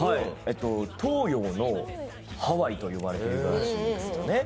東洋のハワイと呼ばれているらしいんですよね。